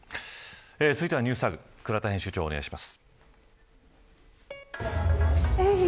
続いてはＮｅｗｓＴａｇ倉田編集長、お願いします。